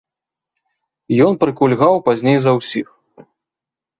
Ён прыкульгаў пазней за ўсіх.